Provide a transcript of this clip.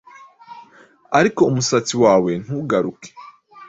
ariko umusatsi wawe ntugaruke